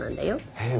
へえ！